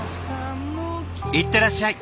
行ってらっしゃい。